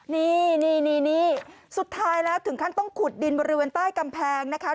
นี่นี่สุดท้ายแล้วถึงขั้นต้องขุดดินบริเวณใต้กำแพงนะคะ